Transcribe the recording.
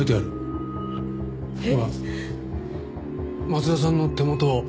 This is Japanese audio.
松田さんの手元。